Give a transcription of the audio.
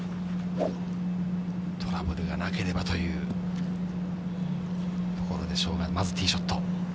トラブルがなければというところでしょうが、まずティーショット。